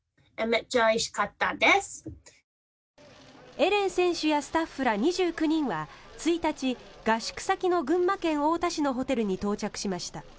エレン選手やスタッフら２９人は１日合宿先の群馬県太田市のホテルに到着しました。